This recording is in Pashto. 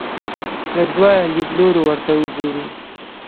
له دوو لیدلوریو ورته وګورو